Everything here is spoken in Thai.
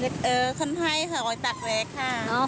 คนไทยหอยตักแดดค่ะ